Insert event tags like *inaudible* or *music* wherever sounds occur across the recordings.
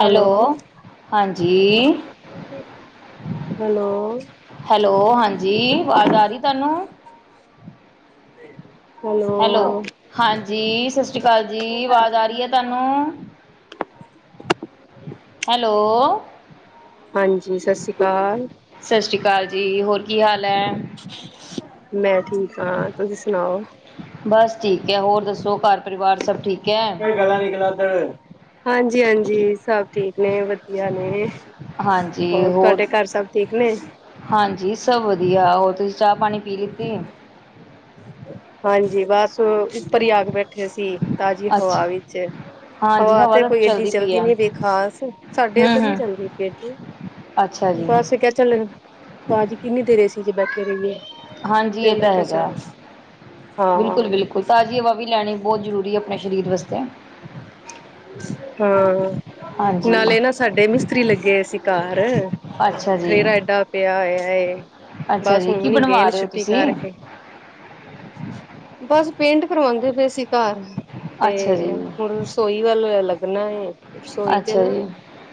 Hello ਹਾਂਜੀ। Hello, hello ਹਾਂਜੀ ਆਵਾਜ਼ ਆ ਰਹੀ ਤੁਹਾਨੂੰ ਹੈਲੋ ਹਾਂਜੀ ਸਤਿ ਸ਼੍ਰੀ ਅਕਾਲ ਜੀ ਆਵਾਜ਼ ਆ ਰਹੀ ਹੈ ਤੁਹਾਨੂੰ? ਹੈਲੋ ਹਾਂਜੀ ਸਤਿ ਸ਼੍ਰੀ ਅਕਾਲ। ਸਤਿ ਸ੍ਰੀ ਅਕਾਲ ਜੀ ਹੋਰ ਕੀ ਹਾਲ ਐ? ਮੈਂ ਠੀਕ ਆ। ਤੁਸੀਂ ਸੁਣਾਓ? ਬਸ ਠੀਕ ਹੈ ਹੋਰ ਦੱਸੋਂ, ਘਰ ਪਰਿਵਾਰ ਸਭ ਠੀਕ ਏ? ਹਾਂਜੀ, ਹਾਂਜੀ ਸਭ ਠੀਕ ਨੇ ਵਧੀਆ ਨੇ। ਹੋਰ ਤੁਹਾਡੇ ਘਰ ਸਭ ਠੀਕ ਨੇ? ਹਾਂਜੀ, ਸਭ ਵਧੀਆ, ਹੋਰ ਤੁਸੀਂ ਚਾਹ ਪਾਣੀ ਪੀ ਲਿੱਤੀ? ਹਾਂਜੀ, ਬਸ ਉੱਪਰ ਹੀ ਆ ਕੇ ਬੈਠੇ ਸੀ, ਤਾਜ਼ੀ ਅੱਛਾ ਹਵਾ ਵਿੱਚ। ਹਾਂਜੀ ਹਵਾ ਤੇ ਤਾਂ ਕੋਈ ਏਡੀ ਚਲਦੀ ਪਈ ਚੱਲਦੀ ਹੈ ਨੀ ਪਾਈ ਖਾਸ, ਸਾਡੇ ਹਮ ਇੱਧਰ ਨੀ ਹਮ ਚੱਲਦੀ ਅੱਡੀ। ਅੱਛਾ ਜੀ। ਪਾ ਅਸੀਂ ਕਿਹਾ ਚੱਲ, ਭਾਜੀ ਕਿੰਨੀ ਦੇਰ ਏਸੀ ਚ ਬੈਠੇ ਰਹੀਏ। ਹਾਂਜੀ, ਤੇ ਇਹ ਮੈਂ ਤਾਂ ਕਿਹਾ ਹੈਗਾ, ਚੱਲ ਬਿਲਕੁਲ ਹਾਂ ਬਿਲਕੁਲ ਤਾਜ਼ੀ ਹਵਾ ਵੀ ਲੈਣੀ ਬਹੁਤ ਜ਼ਰੂਰੀ ਆਪਣੇ ਸਰੀਰ ਵਾਸਤੇ। ਹਾਂ, ਹਾਂਜੀ ਨਾਲੇ ਨਾ ਸਾਡੇ ਮਿਸਤਰੀ ਲੱਗੇ ਹੋਏ ਸੀ ਘਾਰ। ਅੱਛਾ ਜੀ ਖੇਲੂਰਾ ਏਡਾ ਪਿਆ ਹੋਇਆ, ਅੱਛਾ ਬਸ ਜੀ ਕੀ ਹੁਣ ਹੀ ਗਏ ਬਣਵਾ ਨ ਰਹੇ ਹੋ ਛੁੱਟੀ ਤੁਸੀਂ ਕਰਕੇ। ਬਸ ਪੇਂਟ ਕਰਵਾਉਂਦੇ ਪਏ ਸੀ ਘਰ, ਤੇ ਅੱਛਾ ਜੀ ਹੁਣ ਰ ਸੋਈ ਵੱਲ ਲੱਗਣਾ ਐ, ਰਸੋਈ ਤੇ ਅੱਛਾ ਨਾ ਜੀ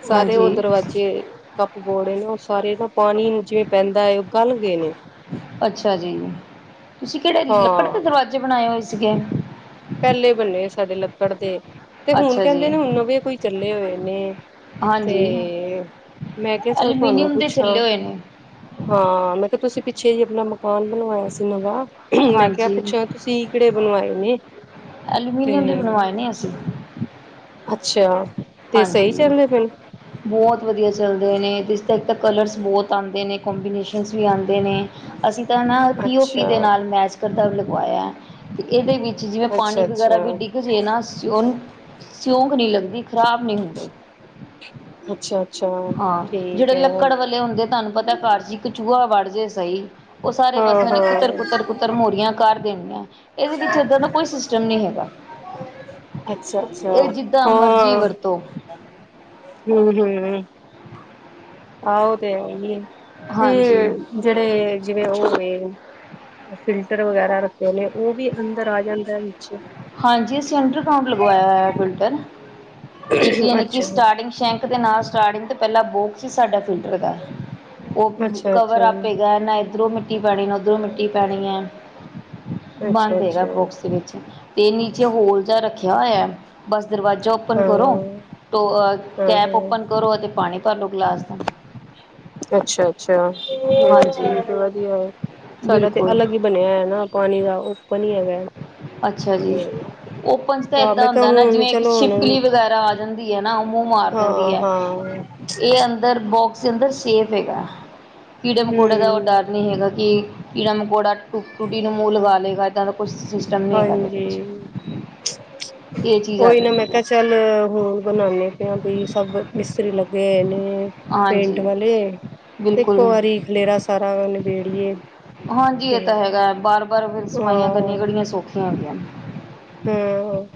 ਸਾਰੇ ਹਾਂਜੀ ਉਹ ਦਰਵਾਜ਼ੇ ਜੇ ਕੱਪ ਬੋੜ ਨਾ ਉਹ ਸਾਰੇ ਨਾ ਪਾਨੀ ਜਿਵੇਂ ਪੈਂਦਾ ਐ, ਉਹ ਗਲ ਗਏ ਨੇ। ਅੱਛਾ ਜੀ, ਤੁਸੀਂ ਕਿਹੜੇ ਲੱਕੜ ਹਾਂ ਦੇ ਦਰਵਾਜ਼ੇ ਬਣਾਏ ਹੋਏ ਸੀਗੇ? ਪਹਿਲੇ ਬੰਨੇ ਸਾਡੇ ਲੱਕੜ ਦੇ, ਤੇ ਹੁਣ ਅੱਛਾ ਜੀ ਕਹਿੰਦੇ ਨੇ ਹੁਣ ਨਵੇ ਕੋਈ ਚੱਲੇਂ ਹੋਏ ਨੇ। ਹਾਂਜੀ ਤੇ ਮੈਂ ਕਿਹਾ ਚੱਲ ਤੁਹਾਨੂੰ ਐਲੂਮੀਨੀਅਮ ਦੇ ਪੁੱਛਾਂ। ਚੱਲੇ ਹੋਏ ਨੇ ਹਾਂ, ਮੈਂ ਕਿਹਾ ਤੁਸੀਂ ਪਿੱਛੇ ਜੇ ਆਪਣਾ ਮਕਾਨ ਬਣਵਾਇਆ ਸੀ ਨਵਾ? ਮੈਂ ਕਿਹਾ ਹਾਂਜੀ ਪੁੱਛਾਂ ਤੁਸੀਂ ਕਿਹੜੇ ਬਣਵਾਏ ਨੇ? ਤੇ ਐਲੂਮੀਨੀਅਮ ਦੇ ਬਣਵਾਏ ਨੇ ਅਸੀਂ। ਅੱਛਾ। ਤੇ ਸਹੀ ਹਾਂਜੀ। ਚੱਲਦੇ ਪਏ ਨੇ ਬਹੁਤ ਵਧੀਆ ਚੱਲਦੇ ਨੇ, ਜਿਸ ਤੱਕ ਤਾਂ ਕਲਰਸ ਬਹੁਤ ਆਉਂਦੇ ਨੇ ਕਬੀਨੇਸ਼ਨਸ ਵੀ ਆਉਂਦੇ ਨੇ। ਅਸੀਂ ਤਾਂ ਨਾ ਪੀ ਓ ਪੀ ਦੇ ਅੱਛਾ ਨਾਲ ਮੈਚ ਕਰਦਾ ਲਗਵਾਇਆ ਐ। ਇਹਦੇ ਵਿੱਚ ਜਿਵੇਂ ਪਾਣੀ ਅੱਛਾ ਵਗੈਰਾ ਵੀ ਅੱਛਾ ਡਿੱਗ ਜੇ ਨਾ, ਸਿਓ ਨੂੰ ਸਿਉਂਕ ਨਹੀਂ ਲੱਗਦੀ। ਖਰਾਬ ਨਹੀਂ ਹੁੰਦੇ। ਅੱਛਾ, ਅੱਛਾ। ਹਾਂ, ਠੀਕ ਜਿਹੜੇ ਹੈ ਲੱਕੜ ਵਾਲੇ ਹੁੰਦੇ ਤੁਹਾਨੂੰ ਪਤਾ ਘਰ ਚ ਇਕ ਚੂਆ ਵੜ ਜੇ ਸਹੀ, ਉਹ ਸਾਰੇ ਹਾਂ ਪਾਸੇ ਓਨੇ ਹਾਂ ਕੁਤਰ- ਕੁਤਰ- ਕੁਤਰ ਤਰਮੋਰੀਆਂ ਕਰ ਦੇਣੀਆਂ, ਇਹਦੇ ਵਿੱਚ ਇੱਦਾਂ ਦਾ ਕੋਈ ਸਿਸਟਮ ਨਹੀਂ ਹੈਗਾ। ਅੱਛਾ, ਅੱਛਾ ਇਹ ਜਿੱਦਾਂ ਮਰਜ਼ੀ ਹਾਂ ਵਰਤੋ ਹੂੰ, ਹੂੰ। ਆਹੋ ਤੇ ਹੈ ਹੀ ਆ, ਤੇ ਹਾਂਜੀ ਜਿਹੜੇ ਜਿਵੇਂ ਹੋਵੇ ਫਿਲਟਰ ਵਗੈਰਾ ਰੱਖੇ ਨੇ ਉਹ ਵੀ ਅੰਦਰ ਆ ਜਾਂਦਾ ਵਿੱਚ ਹਾਂਜੀ, ਅਸੀਂ ਅੰਡਰ ਗਊਂਟ ਲਗਵਾਇਆ ਹੋਇਆ ਫਿਲਟਰ, ਇੱਕ ਯਾਨੀ ਕਿ ਅੱਛਾ ਸਟਾਰਟਿੰਗ ਸ਼ੈਂਕ ਦੇ ਨਾਲ ਸਟਾਰਟਿੰਗ ਤੇ ਪਹਿਲਾਂ ਬੋਕਸ ਸੀ ਸਾਡਾ ਫਿਲਟਰ ਦਾ। ਉਹ ਅੱਛਾ ਅੱਛਾ ਕਵਰ ਆਪੇਗਾ ਨਾ ਇੱਧਰੋਂ ਮਿੱਟੀ ਪੈਣੀ, ਨਾ ਉੱਧਰੋਂ ਮਿੱਟੀ ਪੈਣੀ ਐ। ਬਣ ਅੱਛਾ ਦੇਗਾ ਅੱਛਾ ਬੁਕਸ ਵਿੱਚ ਤੇ ਨੀਚੇ ਹੋਲ ਜਾ ਰੱਖਿਆ ਹੋਇਆ ਬਸ ਦਰਵਾਜ਼ਾ ਓਪਨ ਕਰੋ ਤੋਹ ਕੈਪ ਓਪਨ ਹਾਂ-ਹਾਂ-ਹਾਂ, ਕਰੋ ਅਤੇ ਪਾਣੀ ਭਰ ਲੋ ਗਲਾਸ ਦਾ। ਅੱਛਾ, ਅੱਛਾ ਇਹ ਤਾਂ ਹਾਂਜੀ ਠੀਕ ਵਧੀਆ ਏ ਸਾਡਾ ਤੇ ਬਿਲਕੁਲ ਅਲੱਗ ਹੀ ਬਣਿਆ ਹੈ ਨਾ ਪਾਣੀ ਦਾ ਉੱਪਨ ਹੀ ਹੈਗੈ। ਅੱਛਾ ਜੀ। ਓਪਨ ਚ ਤਾਂ ਹਾਂ ਮੈਂ ਏਦਾਂ ਕਿਹਾ ਹੁੰਦਾ ਨਾ ਹੁਣ ਜਿਵੇਂ ਇੱਕ ਚਲੋ ਹੁਣ ਛਿਪਕਲੀ ਵਗੈਰਾ ਆ ਜਾਂਦੀ ਹੈ ਨਾ ਉਹ ਮੂੰਹ ਮਾਰ ਦਿੰਦੀ ਐ। ਹਾਂ-ਹਾਂ, ਇਹ ਅੰਦਰ ਬੋਕਸ ਅੰਦਰ ਸੇਫ ਹੈਗਾ ਕੀੜੇ ਹੂੰ ਮਕੌੜੇ ਦਾ ਉਹ ਡਰ ਨਹੀਂ ਹੈਗਾ, ਕਿ ਕੀੜਾ ਮਕੌੜਾ ਟੁਕ ਟੁਟੀ ਨੂੰ ਮੂੰਹ ਲਗਾ ਲਏਗਾ ਇੱਦਾਂ ਦਾ ਕੁਛ *inaudible* ਹਾਂਜੀ। ਇਹ ਚੀਜ਼ਾਂ ਆ ਉਹੀ ਜਾ ਨਾ ਮੈਂ ਕਿਹਾ ਚੱਲ ਹੁਣ ਬਣਾਉ ਪਿਆ ਆ, ਬਈ ਸਭ ਮਿਸਤਰੀ ਲੱਗੇ ਹੋਏ ਨੇ। ਪੇ, ਪੇਂਟ ਹਾਂਜੀ ਵਾਲੇ ਤੇ ਇੱਕ ਬਿਲਕੁਲ ਵਾਰੀ ਖਲੇਰਾ ਸਾਰਾ ਨਿਬੇੜੀਏ ਹਾਂਜੀ, ਤੇ ਇਹ ਤਾਂ ਹੈਗਾ ਹੈ ਬਾਰ, ਬਾਰ ਫਿਰ ਸਫਾਈਆਂ ਕਰਨੀਆਂ ਹਾਂ ਕਿਹੜੀਆਂ ਸੌਖੀਆਂ ਹੈਗੀਆਂ ਨੇ ਹੂੰ,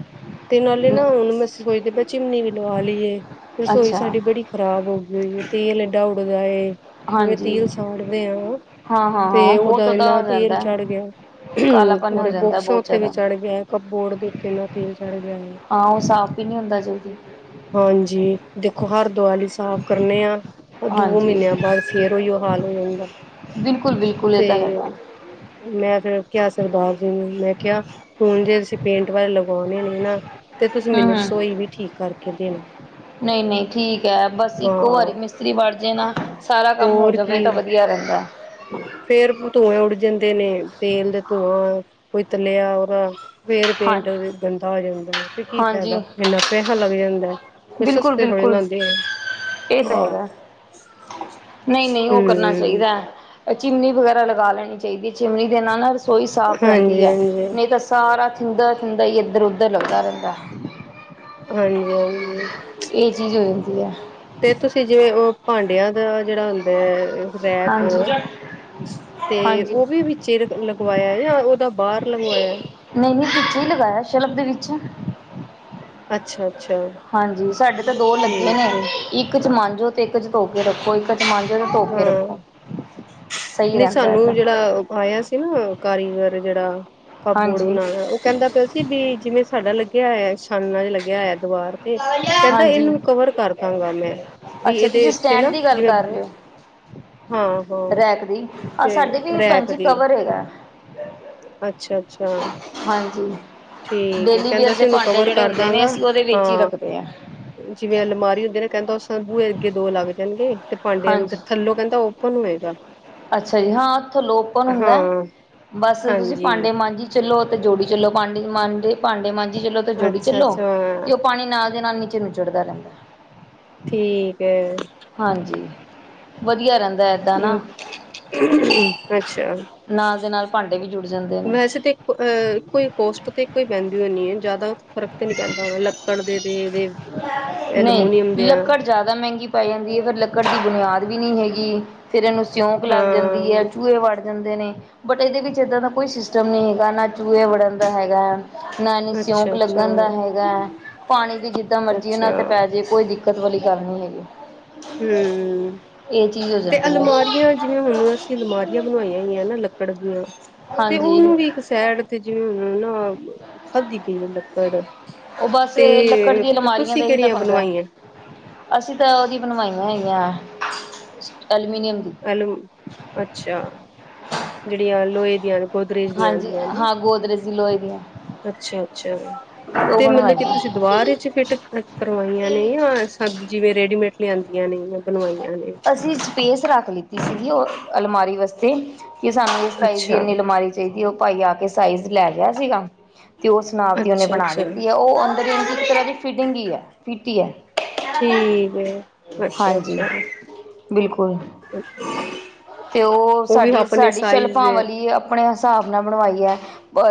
ਤੇ ਨਾਲੇ ਨੇ ਨਾ ਹੁਣ ਅਸੀ ਸੋਚਦੇ ਪਏ ਆ ਚਿਮਨੀ ਵੀ ਲਵਾ ਲਈਏ। ਰਸੋਈ ਅੱਛਾ ਸਾਡੀ ਬੜੀ ਖਰਾਬ ਹੋ ਗਈ ਹੋਈ ਏ ਤੇਲ ਏਡਾ ਉੱਡਦਾ ਏ। ਜਿਵੇਂ ਹਾਂਜੀ ਤੇਲ ਸਾੜਦੇ ਹਾਂ, ਹਾਂ ਹਾਂ ਹਾਂ ਤੇ ਬਹੁਤ ਉਹਦਾ ਹੋ ਇੰਨਾ ਤੇਲ ਜਾਂਦਾ ਚੜ੍ਹ ਹੈ, ਗਿਆ। ਅਹ, ਕਾਲਾਪਨ ਹੋ ਉਰੇ ਜਾਂਦਾ ਬੋਕਸਾਂ ਬਹੁਤ ਉੱਤੇ ਵੀ ਜ਼ਿਆਦਾ ਚੜ੍ਹ ਗਿਆ ਹੈ ਕੱਪਬੋਰਡ ਦੇ ਉੱਤੇ ਇ ਤੇਲ ਚੜ੍ਹ ਗਿਆ ਹੈ। ਹਾਂ ਉਹ ਸਾਫ਼ ਵੀ ਨਹੀਂ ਹੁੰਦਾ ਜਲਦੀ ਹਾਂਜੀ, ਦੇਖੋ ਹਰ ਦਵਾਲੀ ਸਾਫ਼ ਕਰਨੇ ਆ। ਦੋ ਹਾਂਜੀ ਮਹੀਨਿਆਂ ਬਾਅਦ ਫਿਰ ੳਇਔ ਹਾਲ ਹੋ ਜਾਂਦਾ। ਬਿਲਕੁਲ, ਬਿਲਕੁਲ। ਇਹ ਤਾਂ ਹੈਗਾ ਤੇ ਮੈਂ ਫੇਿਰ ਕਿਹਾ ਸਰਦਾਰ ਜੀ ਨੂੰ ਮੈਂ ਕਿਹਾ ਹੁਣ ਜੇ ਅਸੀਂ ਪੇਂਟ ਵਾਲੇ ਲਗਾਵਾਉਣੇ ਨੇ ਨਾ ਤੇ ਤੁਸੀਂ ਹੂੰ ਮੈਨੂੰ ਹੂੰ ਰਸੋਈ ਵੀ ਠੀਕ ਕਰਕੇ ਦੇਣਾ। ਨਹੀਂ, ਨਹੀਂ ਠੀਕ ਹੈ ਬਸ ਇੱਕੋ ਵਾਰੀ ਮਿਸਤਰੀ ਵੜ ਜੇ ਨਾ ਸਾਰਾ ਕੰਮ ਹੋ ਹੋਰ ਜਾਵੇ ਕੀ ਤਾਂ ਵਧੀਆ ਰਹਿੰਦਾ। ਹੈ ਫੇਰ ਧੂੰਏ ਉੱਡ ਜਾਂਦੇ ਨੇ ਤੇਲ ਦੇ ਧੂੰਆਂ ਕੋਈ ਤਲਿਆ ਉਹਦਾ। ਫੇਰ ਹਾਂ ਪੇਂਟ ੳਦੇ ਚ ਗੰਦਾ ਹੋ ਜਾਂਦਾ ਹੈ, ਤੇ ਕੀ ਹਾਂਜੀ ਫਾਇਦਾ ਇੰਨਾ ਪੈਸਾ ਲੱਗ ਜਾਂਦੈ। ਕੋਈ ਬਿਲਕੁਲ ਸਸਤੇ ਥੋੜੀ ਨ ਬਿਲਕੁਲ ਆਂਦੇ ਹੈ। ਇਹ ਤਾਂ ਹਮ ਹੈਗਾ ਨਹੀਂ, ਨਹੀਂ ਉਹ ਕਰਨਾ ਚਾਹੀਦੈ। ਚਿਮਨੀ ਵਗੈਰਾ ਲਗਾ ਲੈਣੀ ਚਾਹੀਦੀ, ਚਿਮਨੀ ਦੇ ਨਾਲ ਨਾ ਰਸੋਈ ਸਾਫ਼ ਹਾਂਜੀ ਰਹਿੰਦੀ ਹੈ ਹਾਂਜੀ ਨਹੀਂ ਤਾਂ ਸਾਰਾ ਥੰਦਾ, ਥੰਦਾ ਹੀ ਇੱਧਰ- ਉੱਧਰ ਲੱਗਦਾ ਰਹਿੰਦਾ, ਹਾਂਜੀ ਹਾਂਜੀ ਇਹ ਚੀਜ਼ ਹੋ ਜਾਂਦੀ ਹੈ। ਤੇ ਤੁਸੀਂ ਜਿਂਵੇ ਉਹ ਭਾਂਡਿਆਂ ਦਾ ਜਿਹੜਾ ਹੁੰਦਾ ਹੈ। ਰੈਕ ਹਾਂਜੀ ਤੇ ਹਾਂਜੀ ਉਹ ਵੀ ਚਿਰ ਲਗਵਾਇਆ ਜਾਂ ਉਹਦਾ ਬਾਹਰ ਲਗਵਾਇਆ ਨਹੀਂ, ਨਹੀਂ ਪਿੱਛੇ ਹੀ ਲਗਾਇਆ ਸ਼ਲਬ ਦੇ ਵਿੱਚ ਅੱਛਾ। ਅੱਛਾ ਹਾਂਜੀ ਸਾਡੇ ਤੇ ਦੋ ਲੱਗੇ ਨੇ ਠੀਕ ਹੈ ਇੱਕ ਚ ਮਾਂਜੋ ਤੇ ਇੱਕ ਚ ਧੋ ਕੇ ਰੱਖੋ, ਇੱਕ ਚ ਮਾਂਜੋ ਤੇ ਧੋ ਕੇ ਰੱਖੋ ਹੂੰ, ਸਹੀ ਨਹੀਂ ਰਹਿੰਦਾ ਹੈ ਸਾਨੂੰ ਤਾਂ ਜਿਹੜਾ ਆਇਆ ਸੀ ਨਾ ਕਾਰੀਗਰ ਜਿਹੜਾ ਕਪਬੋਰਡ ਹਾਂਜੀ ਬਣਾਉਣਾ ਉਹ ਕਹਿੰਦਾ ਪਿ ਵੀ ਜਿਵੇਂ ਸਾਡਾ ਲੱਗਿਆ ਹੋਇਆ ਛਾਨਨ ਲੱ ਗਿਆ ਹੈ ਦੁਵਾਰ ਤੇ ਕਹਿੰਦਾ ਹਾਂਜੀ ਇਹਨੂੰ ਕਵਰ ਕਰ ਦਾਂਗਾ ਮੈਂ ਬੀ ਅੱਛਾ ਇਹਦੇ ਤੁਸੀਂ ਇੱਥੇ ਸਟੈਂਡ ਨਾਂ ਦੀ ਗੱਲ ਜਿਵੇਂ ਕਰ ਰਹੇ ਹੋ ਹਾਂ ਹਾਂ ਰੈਕ ਦੀ ਆਹ ਤੇ ਸਾਡੇ ਵੀ ਭੈਣ ਰੈਕ ਜੀ ਦੀ ਕਵਰ ਹੈਗਾ ਅੱਛਾ ਅੱਛਾ ਹਾਂਜੀ ਠੀਕ ਹੈ ਡੇਲੀ ਵੀ ਕਹਿੰਦਾ ਦੇ ਸੀ ਉਹਨੂੰ ਭਾਂਡੇ ਕਵਰ ਜਿਹੜੇ ਕਰ ਹੁੰਦੇ ਜਿਹਨ ਦਾਂਗਾ ਅਸੀਂ ਉਹਦੇ ਵਿੱਚ ਹੀ ਰੱਖਦੇ ਹਾਂ ਜਿਵੇਂ ਅਲਮਾਰੀ ਹੁੰਦੇ ਨਾ ਕਹਿੰਦਾ ਉਹ ਬੂਏ ਅੱਗੇ ਦੋ ਲੱਗ ਜਾਣਗੇ ਤੇ ਭਾਂਡੇ ਅੰਦਰ ਹਾਂਜੀ ਥੱਲੋਂ ਕਹਿੰਦਾ ਓਪਨ ਹੋਏਗਾ, ਅੱਛਾ ਜੀ ਹਾਂ ਉੱਥੋਂ ਲੋਕ ਉਪਨ ਹੁੰਦਾ ਹਾਂ ਬਸ ਤੁਸੀਂ ਹਾਂਜੀ ਭਾਂਡੇ ਮਾਂਝੀ ਚੱਲੋ ਅਤੇ ਜੋੜੀ ਚੱਲੋ ਪਾਂਡੇ ਮਾਂਜੇ ਭਾਂਡੇ ਮਾਂਝੀ ਚੱਲੋ ਤੇ ਜੋੜੀ ਚੱਲੋ ਅੱਛਾ-ਅੱਛਾ ਤੇ ਉਹ ਪਾਣੀ ਨਾਲ ਦੇ ਨਾਲ ਨੀਚੇ ਨਿੱਚੜਦਾ ਰਹਿੰਦਾ ਠੀਕ ਹੈ ਹਾਂਜੀ ਵਧੀਆ ਰਹਿੰਦਾ ਏਦਾਂ ਨਾ ਅੱਛਾ ਨਾਲ ਦੇ ਨਾਲ ਭਾਂਡੇ ਵੀ ਜੁੜ ਜਾਂਦੇ ਨੇ ਵੈਸੇ ਤੇ ਅਹ ਕੋਈ ਕੋਸਟ ਤੇ ਕੋਈ ਬਹਿੰਦੀ ਨਹੀਂ ਹੈ ਜ਼ਿਆਦਾ ਫਰਕ ਤੇ ਨਹੀਂ ਪੈਂਦਾ ਪੜਦੇ ਤੇ ਇਹਦੇ ਨਹੀਂ ਐਲਮਮੀਨੀਅਮ ਦੇ ਆ ਲੱਕੜ ਜ਼ਿਆਦਾ ਮਹਿੰਗੀ ਪੇ ਜਾਂਦੀ ਹੈ ਫਿਰ ਲੱਕੜ ਦੀ ਬੁਨਿਆਦ ਵੀ ਨਹੀਂ ਹੈਗੀ ਫਿਰ ਇਹਨੂੰ ਸਿਉਂਕ ਲੱਗ ਜਾਂਦੀ। ਦੀ ਹੈ, ਹਾਂ ਚੂਹੇ ਵੜ ਜਾਂਦੇ ਨੇ ਬਟ ਇਹਦੇ ਵਿੱਚ ਏਦਾਂ ਦਾ ਕੋਈ ਸਿਸਟਮ ਨਹੀਂ ਹੈਗਾ ਨਾ ਚੂਹੇ ਵੜਨ ਦਾ ਹੈਗੈ। ਨਾ ਇਹਨੂੰ ਸਿਉਂਕ ਅੱਛਾ-ਅੱਛਾ ਲੱਗਣ ਦਾ ਹੈਗਾ। ਪਾਣੀ ਵੀ ਜਿੱਦਾਂ ਮਰਜੀ ਇਹਨਾਂ ਅੱਛਾ ਤੇ ਪੈ ਜੇ ਕੋਈ ਦਿੱਕਤ ਵਾਲੀ ਗੱਲ ਨਹੀਂ ਹੈਗੀ। ਹੂੰ। ਇਹ ਚੀਜ਼ ਤੇ ਜਾਂਦੀ ਹੈ ਅਲਮਾਰੀਆਂ ਜਿਵੇਂ ਹੁਣ ਅਸੀਂ ਅਲਮਾਰੀਆਂ ਬਣਾਵਾਈਆਂ ਹੋਇਆ ਨਾ ਲੱਕੜ ਦੀਆਂ ਤੇ ਹਾਂਜੀ ਉਹਨੂੰ ਵੀ ਇੱਕ ਸੈਡ ਤੇ ਜਿਵੇਂ ਹ ਨਾ ਖਾਧੀ ਗਈ ਏ ਲੱਕੜ ਉਹ ਬੱਸ ਲੱਕੜ ਦੀਆਂ ਤੇ ਅਲਮਾਰੀਆਂ ਦਾ ਤੁਸੀਂ ਹੀ ਤਾਂ ਕਿਹੜੀਆਂ ਪੰਗਾ ਹੈ, ਬਣਵਾਈਆਂ ਅਸੀਂ ਤਾਂ ਉਹਦੀ ਬਣਵਾਈਆਂ ਹੈਗੀਆਂ ਐਲਮੀਨੀਅਮ ਦੀ, ਅੱਛਾ ਜਿਹੜੀਆਂ ਲੋਹੇ ਦੀਆਂ ਨੇ ਗੋਦਰੇਜ ਦੀਆਂ ਹਾਂਜੀ ਆਦੀਆਂ ਹਾਂ ਗੋਦਰਜ ਦੀ ਲੋਹੇ ਦੀਆਂ ਅੱਛਾ ਅੱਛਾ ਉਹ ਤੇ ਮੱਤਲਬ ਕਿ ਬਣਵਾਈਆਂ। ਤੁਸੀਂ ਦਿਵਾਰ ਵਿੱਚ ਫਿੱਟ ਕਰਵਾਈਆਂ ਨੇ ਜਾਂ ਸਭ ਜਿਵੇਂ ਰੇਡੀਮੇਡ ਲਿਆਂਦੀਆਂ ਨੇ ਜਾਂ ਬਣਵਾਈਆਂ ਨੇ, ਅਸੀਂ ਸਪੇਸ ਰੱਖ ਲਿੱਤੀ ਸੀਗੀ ਉਹ ਅਲਮਾਰੀ ਵਾਸਤੇ ਕੀ ਸਾਨੂੰ ਇਸ ਸਾਈਜ਼ ਦੀ ਅੱਛਾ ਇੰਨੀ ਅਲਮਾਰੀ ਫਿਰ ਵੀ ਉਹ ਪਾਈ ਆ ਕੇ ਸਾਈਜ਼ ਲੈ ਗਿਆ ਸੀਗਾ। ਤੇ ਉਸ ਨਾਪ ਦੀ ਉਹਨੇ ਅੱਛਾ ਬਣਾ ਅੱਛਾ ਦਿੱਤੀ ਹੈ। ਉਹ ਅੰਦਰ ਹੀ ਇੱਕ ਤਰ੍ਹਾਂ ਦੀ ਫਿਟਿੰਗ ਹੀ ਹੈ ਫਿਟ ਹੀ ਹੈ। ਠੀਕ ਹੈ ਅੱਛਾ ਅੱਛਾ ਬਿਲਕੁੱਲ ਤੇ ਉਹ ਵੀ ਸਾਡੀ ਆਪਣੇ ਸਾਡੀ ਸਾਈਜ਼ ਸ਼ਲਫਾਂ ਦੇ ਵਾਲੀ ਆਪਣੇ ਹਿਸਾਬ ਨਾਲ ਬਣਵਾਈਏ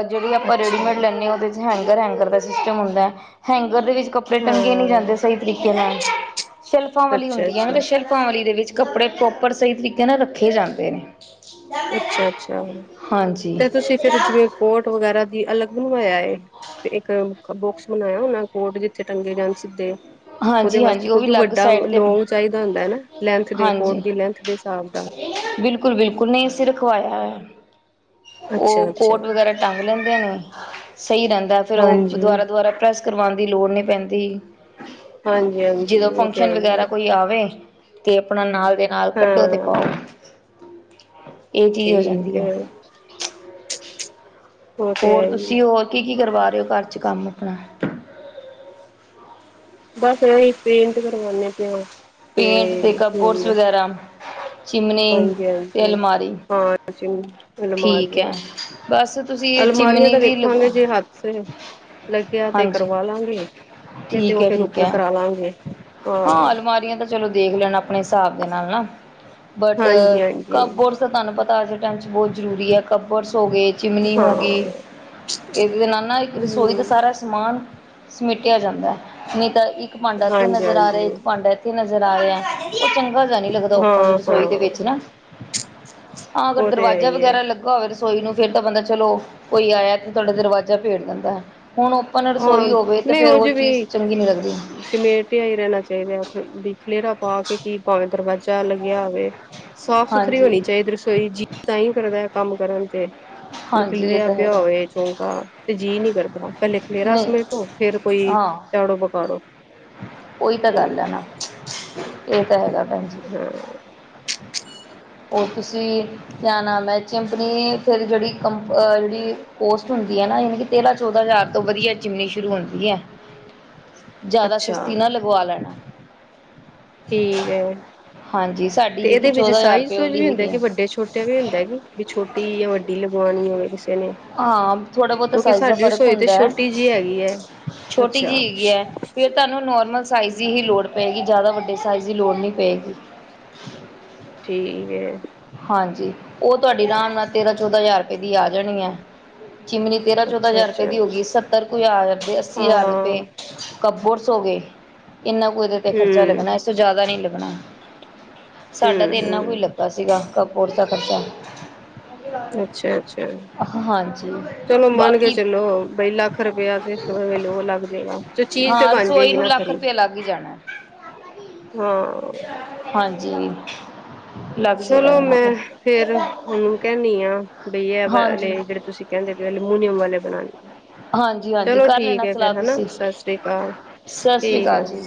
ਜਿਹੜੀ ਆਪਾਂ ਅੱਛਾ ਰੇਡੀਮੇਡ ਲੈਂਦੇ ਹਾਂ ਉਹਦੇ ' ਹੈਂਗਰ ਹੈਂਗਰ ਦਾ ਸਿਸਟਮ ਹੁੰਦਾ ਹੈਂਗਰ ਦੇ ਵਿੱਚ ਕੱਪੜੇ ਕੱਪੜੇ ਟੰਗੇ ਨਹੀਂ ਜਾਂਦੇ ਹਾਂ ਸਹੀ ਤਰੀਕੇ ਨਾਲ ਸ਼ੈਲਫਾਂ ਵਾਲੀ ਅੱਛਾ ਹੁੰਦੀ ਹੈ ਅੱਛਾ ਨਾ ਸ਼ੈਲਫ ਦੇ ਵਿੱਚ ਕੱਪੜੇ ਪ੍ਰੋਪਰ ਸਹੀ ਤਰੀਕੇ ਨਾਲ ਰੱਖੇ ਜਾਂਦੇ ਨੇ, ਅੱਛਾ-ਅੱਛਾ ਤੇ ਹਾਂਜੀ। ਤੁਸੀਂ ਫਿਰ ਜਿਵੇਂ ਕੋਟ ਵਗੈਰਾ ਦੀ ਅਲੱਗ ਬਣਵਾਇਆ ਹੈ ਇੱਕ ਬਾਕਸ ਬਣਾਇਆ ਉਹਨਾ ਕੋਟ ਜਿੱਥੇ ਟੰਗੇ ਜਾਣ ਸਿੱਧੇ ਉਹਦੇ ਹਾਂਜੀ ਹਾਂਜੀ ਵਾਸਤੇ ਉਹ ਵੀ ਕਿਉਂਕਿ ਅਲੱਗ ਵੱਡਾ ਸਾਈਡ ਤੇ ਲੋਂਗ ਚਾਹੀਦਾ ਹੁੰਦਾ ਨਾ ਲੈਂਥ ਦੇ ਕੋਟ ਦੀ ਲੈਂਥ ਦੇ ਹਿਸਾਬ *inaudible* ਬਿਲਕੁੱਲ ਬਿਲਕੁੱਲ ਨਹੀਂ ਅਸੀਂ ਰਖਵਾਇਆ ਹੋਇਆ ਉਹ ਅੱਛਾ ਅੱਛਾ ਕੋਟ ਵਗੈਰਾ ਟੰਗ ਲੈਂਦੇ ਨੇ, ਸਹੀ ਰਹਿੰਦਾ ਫਿਰ ਉਹ ਹਾਂਜੀ ਦੁਬਾਰਾ ਦੁਬਾਰਾ ਪ੍ਰੈਸ ਕਰਵਾਉਣ ਦੀ ਲੋੜ ਨਹੀਂ ਪੈਂਦੀ। ਹਾਂਜੀ ਹਾਂਜੀ ਜਦੋਂ ਉਹ ਤੇ ਫੰਕਸ਼ਨ ਹੈ ਹੀ ਹੈ ਵਗੈਰਾ ਕੋਈ ਆਵੇ, ਤੇ ਆਪਣਾ ਨਾਲ ਦੇ ਨਾਲ ਕੱਢੋ ਤੇ ਪਾਓ ਹਾਂ ਇਹ ਚੀਜ਼ ਹੋ ਜਾਂਦੀ ਹੈ। ਉਹ ਤੇ ਹੈ ਹੋਰ ਹੀ ਤੁਸੀਂ ਹੋਰ ਕੀ ਕੀ ਕਰਵਾ ਰਹੇ ਹੋ ਘਰ ਚ ਕੰਮ ਆਪਣਾ, ਬੱਸ ਇਹੀ ਪੇਂਟ ਕਰਵਾਨੇ ਪਏ ਪੇਂਟ ਕਪਬੋਰਡਸ ਤੇ ਵਗੈਰਾ ਚਿਮਨੀ ਹਾਂਜੀ ਤੇ ਹਾਂਜੀ ਅਲਮਾਰੀ ਹਾਂ ਠੀਕ ਹੈ ਅਲਮਾਰੀਆਂ ਬਸ ਤੁਸੀਂ ਅਲਮਾਰੀਆਂ ਚਿਮਨੀ ਤਾਂ ਵੀ ਵੇਖਾਂਗੇ ਲਗਵਾ ਜੇ ਹੱਥ ਫਿਰ ਲੱਗਿਆ ਤੇ ਹਾਂਜੀ ਕਰਵਾ ਲਾਂਗੇ ਨਹੀਂ ਤੇ ਠੀਕ ਉਹ ਹੈ ਫੇਰ ਠੀਕ ਉੱਪਰ ਹੈ ਕਰਾ ਲਾਂਗੇ ਹਾਂ। ਅਲਮਾਰੀਆਂ ਤਾਂ ਚਲੋ ਦੇਖ ਲੈਣਾ ਆਪਣੇ ਹਿਸਾਬ ਦੇ ਨਾਲ ਨਾ ਬਟ ਹਾਂਜੀ-ਹਾਂਜੀ ਕਮ। ਤਾਂ ਤੁਹਾਨੂੰ ਪਤਾ ਅੱਜ ਦੇ ਟਾਈਮ 'ਚ ਬਹੁਤ ਜ਼ਰੂਰੀ ਹੈ। ਕਪਰਸ ਹੋ ਗਏ ਹੈ, ਚਿਮਨੀ ਹਾਂ ਹੋ ਗਈ ਹੈ। ਇਹਦੇ ਤੇ ਨਾਲ ਨਾ ਇੱਕ ਰਸੋਈ ਦਾ ਹੂੰ ਸਾਰਾ ਸਮਾਨ। ਸਮੇਟਿਆ ਜਾਂਦਾ ਹੈ। ਨਹੀਂ ਤਾਂ ਇੱਕ ਭਾਂਡਾ ਇੱਥੇ ਨਜ਼ਰ ਆ ਰਿਹਾ ਹਾਂਜੀ-ਹਾਂਜੀ ਹੈ। ਇੱਕ ਭਾਂਡਾ ਇੱਥੇ ਨਜ਼ਰ ਆ ਰਿਹਾ ਹੈ। ਉਹ ਚੰਗਾ ਜਿਹਾ ਨਹੀਂ ਲੱਗਦਾ ਉੱਪਨ ਹਾਂ-ਹਾਂ ਰਸੋਈ ਦੇ ਵਿੱਚ ਨਾ ਹਾਂ ਅਗਰ ਉਹ ਤੇ ਦਰਵਾਜ਼ੇ। ਹੈ ਹੀ ਏ ਲੱਗਾ ਹੋਵੇ ਰਸੋਈ ਨੂੰ ਫੇਰ ਤਾਂ ਬੰਦਾ ਚਲੋ ਕੋਈ ਆਇਆ। ਤੇ ਤੁਹਾਡਾ ਦਰਵਾਜ਼ਾ ਭੇੜ ਦਿੰਦਾ ਹੈ ਹੁਣ ਉਹ। ਹਾਂ ਰਸੋਈ ਹੋਵੇ ਤੇ ਨਹੀਂ ਫਿਰ ਉਹ'ਚ ਚੀਜ਼ ਵੀ ਚੰਗੀ ਨਹੀਂ ਲੱਗਦੀ ਸਮੇਟਿਆ ਹੀ ਰਹਿਣਾ ਚਾਹੀਦਾ ਹੈ। ਬਖਲੇਰਾ ਪਾ ਕੇ ਕੀ ਭਾਵੇਂ ਦਰਵਾਜ਼ਾ ਲੱਗਿਆ ਹੋਵੇ। ਸਾਫ ਸੁਥਰੀ ਹਾਂਜੀ ਹੋਣੀ ਚਾਹੀਦੀ ਹੈ। ਰਸੋਈ ਜੀ ਤਾਂ ਹੀ ਕਰਦਾ ਹੈ ਕੰਮ ਕਰਨ ਤੇ। ਨਹੀਂ ਹਾਂਜੀ ਇਹ ਖਿਲਰਿਆ ਤਾਂ ਪਿਆ ਹੈਗਾ ਹੋਵੇ ਚੌਂਕਾ ਤੇ ਜੀਅ ਨੀ ਕਰਦਾ ਪਹਿਲੇ। ਖਲੇਰਾ ਨਹੀਂ ਸਮੇਟੋ ਫੇਰ ਕੋਈ ਹਾਂ ਝਾੜੂ ਪਕਾੜੋ। ਉਹੀ ਤਾਂ ਗੱਲ ਹੈ ਹਮ ਨਾ ਇਹ ਤਾਂ ਹੈਗਾ ਭੈਣ ਜੀ। ਹਅ ਉਹ ਤੁਸੀਂ ਕਿਆ ਨਾਮ ਹੈ ਚਿੰਪਨੀ ਫਿਰ ਜਿਹੜੀ ਕੰਪ ਅ ਲੀ ਕੋਸਟ ਹੁੰਦੀ ਹੈ ਨਾ ਯਾਨ ਕਿ ਤੇਰਾਂ ਚੌਦਾਂ ਹਜ਼ਾਰ ਤੋਂ ਵਧੀਆ ਚੀਮਂਨੀ ਸ਼ੁਰੂ ਹੁੰਦੀ ਹੈ *inaudible* ਜ਼ਿਆਦਾ ਅੱਛਾ ਸਸੱਤੀ ਨਾ ਲਗਵਾ ਲੈਣਾ ਠੀਕ ਹੈ ਹਾਂਜੀ ਤੇ ਸਾਡੀ ਹੈਗੀ ਇਹਦੇ ਵਿੱਚ ਚੌਦਾਂ ਹਜ਼ਾਰ ਸਾਈਜ਼ ਰੁਪਏ ਸੂਈਜ ਵਾਲੀ ਵੀ ਹੁੰਦੇ ਹੈਗੀ ਆ ਕਿ ਵੱਡੇ ਛੋ ਤੇ ਇਹ ਵੀ ਹੁੰਦਾ ਹੈ ਵੀ ਛੋਟੀ ਜਾਂ ਵੱਡੀ ਲਗਵਾਉਣੀ ਹੋਵੇ ਕਿਸੇ ਨੇ ਹਾਂ ਥੋੜਾ ਬਹੁਤਾ ਕਿਉਂਕਿ ਸਾਈਜ਼ ਦਾ ਸਾਡੀ ਫ਼ਰਕ ਰਸੋਈ ਤੇ ਹੁੰਦਾ ਹੈ ਛੋਟੀ ਜਿਹੀ ਹੈਗੀ ਹੈ ਛੋਟੀ ਅੱਛਾ ਜਿਹੀ ਹੈਗੀ ਹੈ ਫਿਰ ਤੁਹਾਨੂੰ ਨੋਰਮਲ ਸਾਈਜ਼ ਦੀ ਹੀ ਲੋੜ ਪਏਗੀ। ਜ਼ਿਆਦਾ ਵੱਡੇ ਸਾਈਜ਼ ਦੀ ਲੋੜ ਨਹੀਂ ਪਏਗੀ। ਠੀਕ ਹੈ। ਹਾਂਜੀ ਉਹ ਤੁਹਾਡੀ ਰਾਮ ਨਾਲ ਤੇਰਾਂ ਚੌਦਾਂ ਹਜ਼ਾਰ ਰੁਪਏ ਦੀ ਆ ਜਾਣੀ ਹੈ ਚਿਮਨੀ। ਤੇਰਾਂ ਚੌਦਾਂ ਅੱਛਾ ਹਜ਼ਾਰ ਰੁਪਏ ਅੱਛਾ ਦੀ ਹੋ ਗੀ। ਸੱਤਰ ਕੁ ਹਜ਼ਾਰ ਤੇ ਅੱਸੀ ਹਜ਼ਾਰ ਹਾਂ ਰੁਪਏ। ਹਮ ਕੱਬੋਰਡਸ ਹੋ ਗਏ ਇੰਨਾ ਕੁੱ ਤੇ ਖਰਚਾ ਹਮ ਲੱਗਣਾ ਹੈ। ਇਸ ਤੋਂ ਜ਼ਿਆਦਾ ਨੀ ਲੱਗਣਾ ਸਾਡਾ ਤਾਂ ਇੰਨਾ ਕੁ ਈ ਹਮ ਲੱਗਾ ਸੀਗਾ। ਕਪਬੋਰਡਸ ਦਾ ਖਰਚਾ। ਅੱਛਾ ਅੱਛਾ ਹਾਂਜੀ ਚਲੋ ਮੰਨ ਕੇ ਬਾਕੀ ਚਲੋ ਵਈ ਲੱਖ ਲੱਖ ਰੁਪਿਆ ਤੇ ਭਾਵੇਂ ਹੋਰ ਲੱਗ ਜਾਏਗਾ ਚੀਜ਼ ਤੇ ਹਾਂ ਬਣ ਰਸੋਈ ਜਾਏਗੀ ਨੂੰ ਨਾ ਲੱਖ ਖਰੀ। ਰੁਪਇਆ ਲੱਗ ਹੀ ਜਾਣਾ ਹਾਂ। ਹਾਂਜੀ ਲੱ ਚਲੋ ਮੈਂ ਫੇਰ ਉਹਨੂੰ ਕਹਿਨੀ ਆ ਬਈ ਹੈ ਹਾਂਜੀ ਵਾਲ਼ੇ ਜਿਹੜੇ ਤੁਸੀਂ। ਕਹਿੰਦੇ ਵੀ ਐਲਮੂਨੀਅਮ ਵਾਲੇ ਬਣਾਉਣੇ ਆ ਹਾਂਜੀ ਹਾਂਜੀ ਚਲੋ ਠੀਕ ਹੈ ਫੇਰ ਹਨਾ ਸ ਸ੍ਰੀ ਕਾਲ। ਸ ਸ਼੍ਰੀ ਕਾਲ ਜੀ।